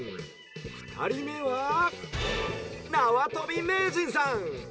ふたりめはなわとび名人さん。